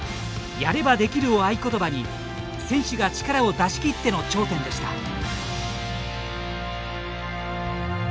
「やれば出来る」を合言葉に選手が力を出し切っての頂点でした。